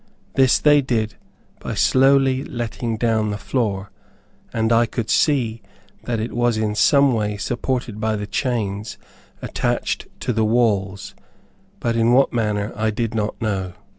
This they did by slowly letting down the floor, and I could see that it was in some way supported by the chains attached to the walls but in what manner I do not know.